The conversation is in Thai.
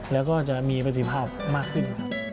แล้วก็จะมีประสิทธิภาพมากขึ้นครับ